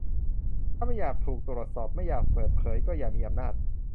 ถ้าไม่อยากถูกตรวจสอบ ไม่อยากเปิดเผย ก็อย่ามีอำนาจ